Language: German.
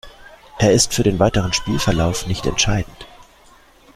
Er ist für den weiteren Spielverlauf nicht entscheidend.